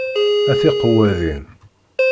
A tiqewwadin!